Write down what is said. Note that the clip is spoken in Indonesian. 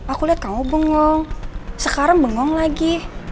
aku lihat kamu bengong sekarang bengong lagi